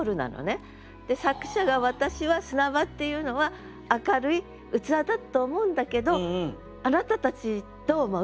作者が「私は砂場っていうのは明るい器だと思うんだけどあなたたちどう思う？」。